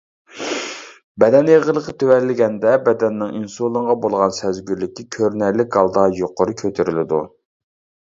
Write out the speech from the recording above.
بەدەن ئېغىرلىقى تۆۋەنلىگەندە، بەدەننىڭ ئىنسۇلىنغا بولغان سەزگۈرلۈكى كۆرۈنەرلىك ھالدا يۇقىرى كۆتۈرۈلىدۇ.